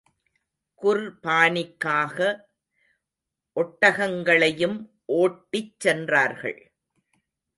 குர்பானிக்காக ஒட்டகங்களையும் ஓட்டிச் சென்றார்கள்.